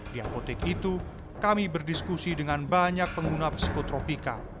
di apotek itu kami berdiskusi dengan banyak pengguna psikotropika